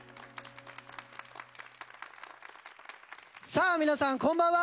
さあ皆さんこんばんは。